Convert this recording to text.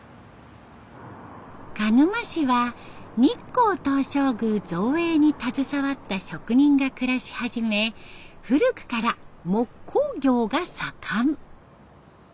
鹿沼市は日光東照宮造営に携わった職人が暮らし始め古くから木工業が盛ん。